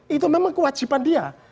itu memang kewajiban dia